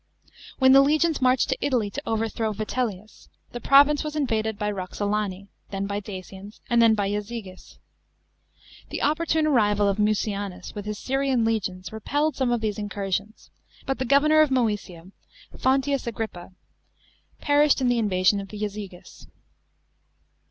When the legions marched to Italy to overthrow Vitellius, the province was invaded by Roxolani, then by Dacians, and then by Jazyges. The opportune arrival of Mucianus with his Syrian legions repelled some of these incursions, but the governor of Mcesia, Fonteius Agrippa, perished in the invasion of the Jazyges.